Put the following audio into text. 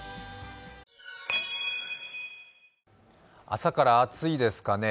朝から暑いですかね。